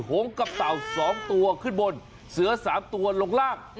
หงกับเต่า๒ตัวขึ้นบนเสือ๓ตัวลงล่าง